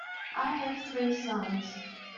I have three sons.